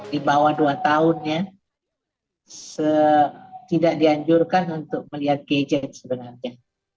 di bawah dua tahun ya tidak dianjurkan untuk melihat gadget sebenarnya